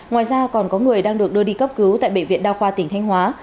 ngoài ra còn có người đang được đưa đi cấp cứu tại bệ viện đao khoa tỉnh thanh hóa